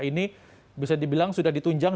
ini bisa dibilang sudah ditunjang